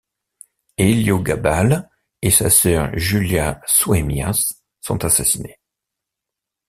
Héliogabale et sa mère Julia Soæmias sont assassinés.